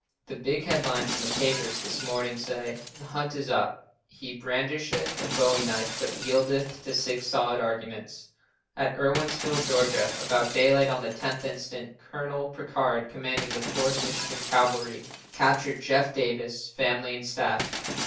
The big headlines in the papers this morning say, "The hunt is up. He brandisheth a bowie knife but yieldeth to six solid arguments. At Irwinsville, Ga., about daylight on the 10th instant, Col. Prichard, commanding the 4th Michigan Cavalry, captured Jeff Davis, family and staff.